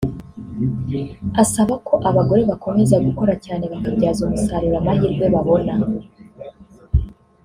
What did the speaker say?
asaba ko abagore bakomeza gukora cyane bakabyaza umusaruro amahirwe babona